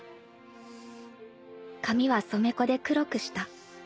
［髪は染め粉で黒くした］